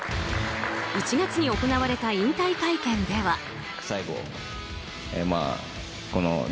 １月に行われた引退会見では。